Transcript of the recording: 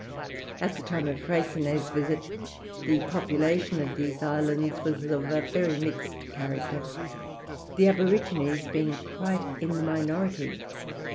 At the time of Freycinet's visit the population of these islands was of a very mixed character, the aborigines being quite in the minority.